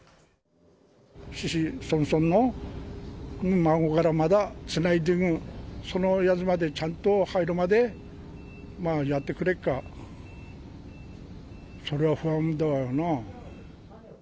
子々孫々の孫からまたつないでいく、そのやつまでちゃんとはいるまでやってくれっか、それは不安だわな。